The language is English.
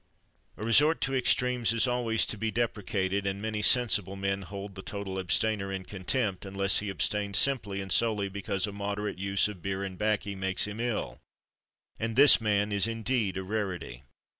A resort to extremes is always to be deprecated, and many sensible men hold the total abstainer in contempt, unless he abstain simply and solely because a moderate use of "beer and baccy" makes him ill; and this man is indeed a rarity.